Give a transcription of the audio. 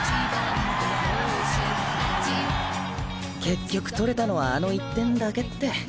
結局取れたのはあの１点だけって。